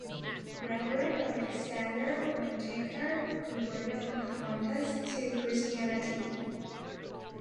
Reverend Alexander Whitaker converted Pocahontas to Christianity.